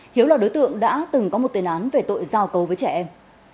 hiếu là đối tượng đã từng có một tên án về tội giao cấu với trẻ em